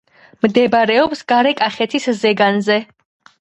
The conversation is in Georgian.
მდებარეობს გარეკახეთის ზეგანზე.